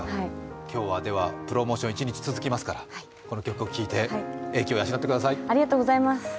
今日は、ではプロモーション一日続きますからこの曲を聞いて英気を養ってください。